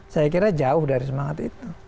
saya kira jauh dari semangat itu